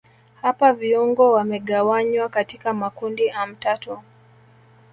hapa viungo wamegawanywa katika makundi amtatu